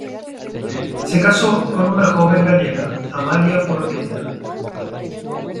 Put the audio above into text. Se casó con una joven gallega, Amalia Portela.